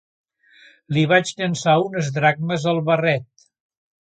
Li vaig llançar unes dracmes al barret.